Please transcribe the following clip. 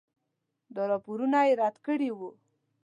دا راپورونه یې رد کړي وو.